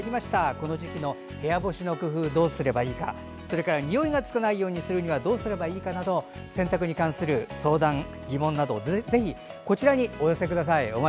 この時期の部屋干しの工夫とかどうすればいいかにおいがつかないようにするにはどうすればいいかなど洗濯に関する相談、疑問などこちらにお寄せください。